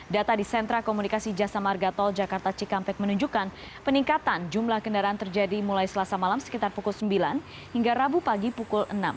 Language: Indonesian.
data di sentra komunikasi jasa marga tol jakarta cikampek menunjukkan peningkatan jumlah kendaraan terjadi mulai selasa malam sekitar pukul sembilan hingga rabu pagi pukul enam